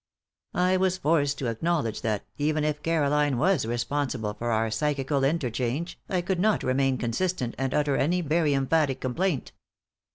I was forced to acknowledge that, even if Caroline was responsible for our psychical interchange, I could not remain consistent and utter any very emphatic complaint.